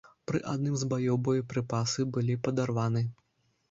Пры адным з баёў боепрыпасы былі падарваны.